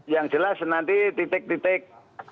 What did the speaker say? yang jelas nanti titik titik